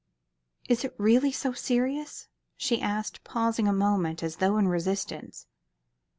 "Is it really so serious?" she asked, pausing a moment, as though in resistance.